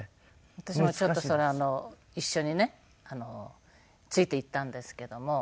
私もちょっとそれは一緒にねついていったんですけども。